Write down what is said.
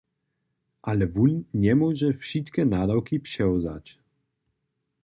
Ale wón njemóže wšitke nadawki přewzać.